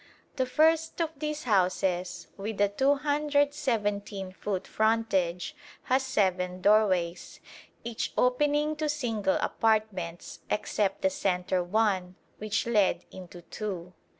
The first of these houses, with a 217 foot frontage, has seven doorways, each opening to single apartments, except the centre one, which led into two.